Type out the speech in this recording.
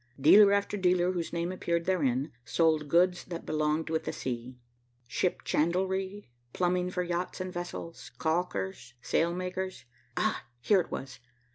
Dealer after dealer, whose name appeared therein, sold goods that belong with the sea. Ship chandlery, plumbing for yachts and vessels, calkers, sailmakers. Ah, here it was!